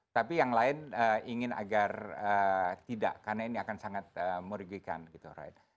tapi yang lain ingin agar tidak karena ini akan sangat merugikan gitu right